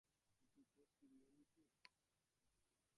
দ্বীপে ফিরিয়ে নিতে?